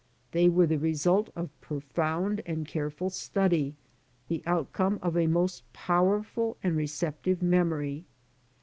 They were the result of profound and careful study, the outcome of a most powerful and receptive memory.